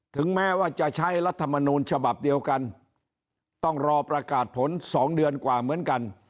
ถึงแม้ว่าจะใช้รัฐมนูลฉบับเดียวกันต้องรอประกาศผล๒เดือนกว่าเหมือนกัน